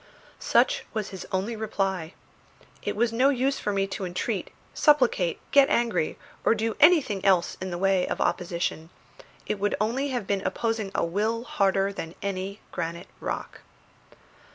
Such was his only reply. It was no use for me to entreat, supplicate, get angry, or do anything else in the way of opposition; it would only have been opposing a will harder than the granite rock.